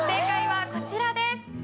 正解はこちらです。